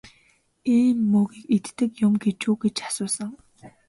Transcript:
Ийм мөөгийг иддэг юм гэж үү гэж асуусан.